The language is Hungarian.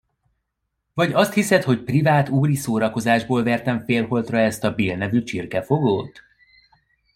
Vagy azt hiszed, hogy privát úri szórakozásból vertem félholtra ezt a Bill nevű csirkefogót?